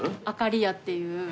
あかりやっていう。